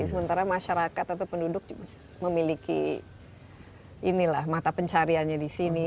sementara masyarakat atau penduduk memiliki mata pencariannya di sini